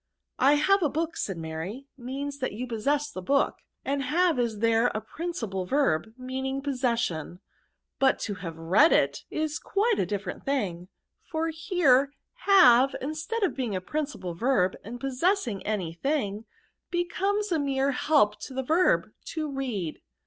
'^ I have a book/' said Mary, '^ means that you possess the bookj^ and have is there a principal verb, meaning possession — but to have read it, is quite a different thing ; for here have, instead of being a principal vorb, and possessing any thing, becomes a mere help to the verb * to read.'